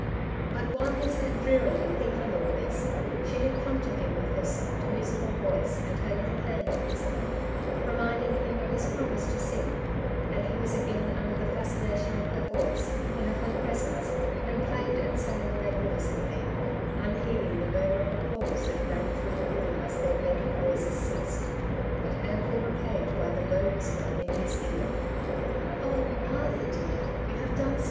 But while he sat drearily thinking all this, she had come to him with her soft musical voice and her httle hand on his arm, re minding him of his promise to sing, and he wag again imder the fascination of her voice and of her presence, and played and sang msM^ificently, un lieieding the murmur of applause that rang through rocm as their bleiiderd voic es ceased, but amply id br the low whi5T>er in hijs ear, — Cfc, Arthur dear, you Lave done Kp!